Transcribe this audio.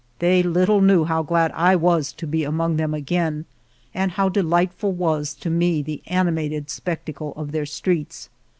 They little knew how glad I was to be among them again and how delightful was to me the ani mated spectacle of their streets.